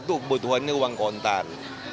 itu kebutuhannya uang kontan